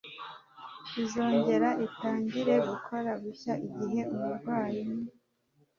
izongera itangire gukora bushya Igihe umurwayi